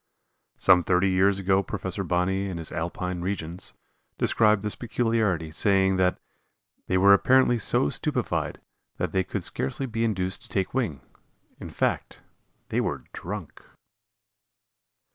Some thirty years ago Prof. Bonney in his "Alpine Regions," described this peculiarity, saying that "they were apparently so stupefied that they could scarcely be induced to take wing in fact, they were drunk."